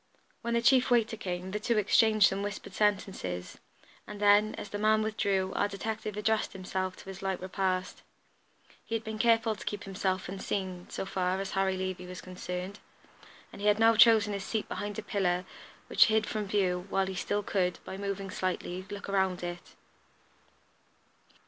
When the chief waiter came, the two exchanged some whispered sentences, and then, as the man withdrew, our detective addressed himself to his light repast. He had been careful to keep himself unseen, so far as Harry Levey was concerned; and he had now chosen his seat behind a pillar, which hid him from view, while he still could, by moving slightly, look around it.